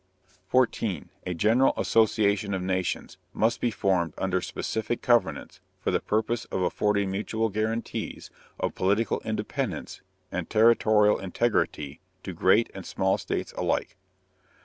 14. _A general association of nations must be formed under specific covenants for the purpose of affording mutual guarantees of political independence and territorial integrity to great and small states alike.